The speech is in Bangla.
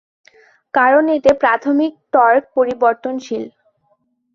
কারণ এতে প্রাথমিক টর্ক পরিবর্তনশীল।